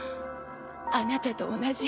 あなたと同じ。